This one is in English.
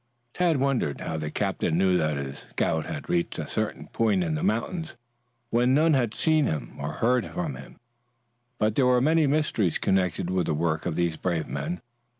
Tad wondered how the captain knew that his scout had reached a certain point in the mountains when none had seen him or heard from him. But there were many mysteries connected with the work of these brave men.